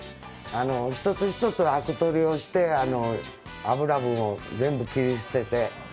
一つ一つあく取りをして、脂分を全部切り捨てて。